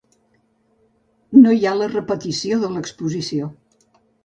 No hi ha la repetició de l'exposició.